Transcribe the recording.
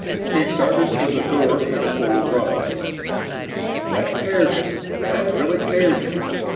He started for the door at a full run. "That tears it that really tears it!